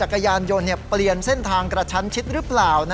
กระยานยนต์เปลี่ยนเส้นทางกระชั้นชิดหรือเปล่า